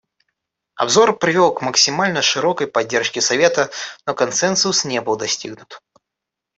Обзор привел к максимально широкой поддержке Совета, но консенсус не был достигнут.